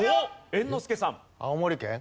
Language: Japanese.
猿之助さん。